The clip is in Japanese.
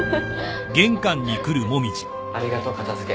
ありがと片付け。